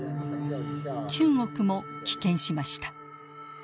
中国も棄権しました。